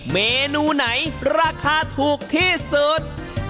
เมนูไหนราคาถูกที่สุด